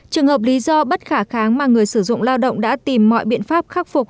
trường hợp lý do bất khả kháng mà người sử dụng lao động đã tìm mọi biện pháp khắc phục